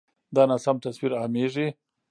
دا ناسم تصویر عامېږي.